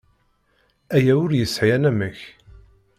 Aya ur yesɛi anamek.